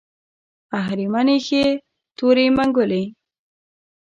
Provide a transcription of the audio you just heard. اهریمن ایښې تورې منګولې